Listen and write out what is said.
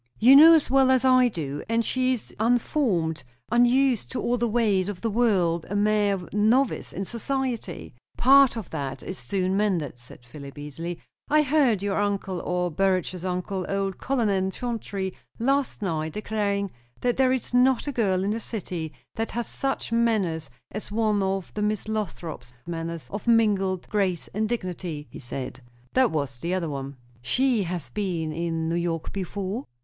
"You know as well as I do! And she is unformed; unused to all the ways of the world; a mere novice in society." "Part of that is soon mended," said Philip easily. "I heard your uncle, or Burrage's uncle, old Colonel Chauncey, last night declaring that there is not a girl in the city that has such manners as one of the Miss Lothrops; manners of 'mingled grace and dignity,' he said." "That was the other one." "That was the other one." "She has been in New York before?"